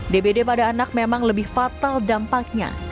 dbd pada anak memang lebih fatal dampaknya